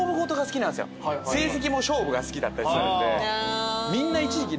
成績も勝負が好きだったりするんでみんな一時期。